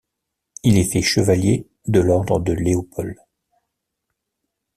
Il est fait Chevalier de l'ordre de Léopold.